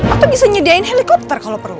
atau bisa nyediain helikopter kalau perlu